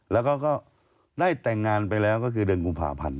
แล้วก็ได้แต่งงานไปแล้วก็คือเดือนกุมภาพันธ์